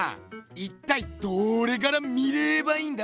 いったいどれから見ればいいんだ？